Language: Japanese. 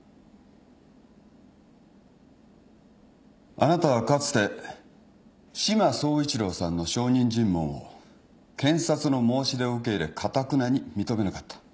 あなたはかつて志摩総一郎さんの証人尋問を検察の申し出を受け入れかたくなに認めなかった。